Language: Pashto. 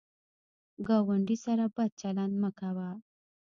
ګاونډي سره بد چلند مه کوه